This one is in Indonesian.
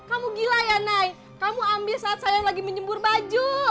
kamu gila ya nai kamu ambil saat saya lagi menyembur baju